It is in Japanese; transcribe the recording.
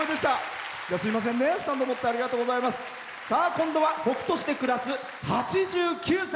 今度は北斗市で暮らす８９歳。